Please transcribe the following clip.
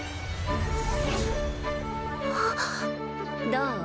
どう？